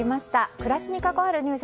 暮らしに関わるニュース